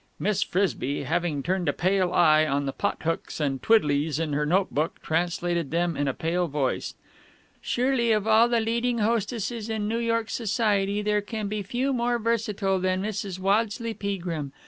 Miss Frisby, having turned a pale eye on the pothooks and twiddleys in her note book, translated them in a pale voice. "'Surely of all the leading hostesses in New York Society there can be few more versatile than Mrs. Waddesleigh Peagrim.